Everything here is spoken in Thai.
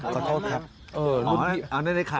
ขอโทษครับ